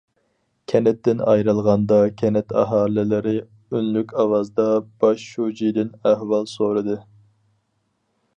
كەنتتىن ئايرىلغاندا، كەنت ئاھالىلىرى ئۈنلۈك ئاۋازدا باش شۇجىدىن ئەھۋال سورىدى.